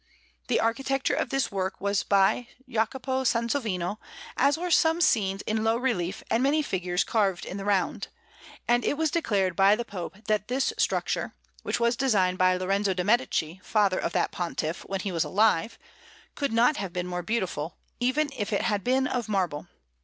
The architecture of this work was by Jacopo Sansovino, as were some scenes in low relief and many figures carved in the round; and it was declared by the Pope that this structure which was designed by Lorenzo de' Medici, father of that Pontiff, when he was alive could not have been more beautiful, even if it had been of marble.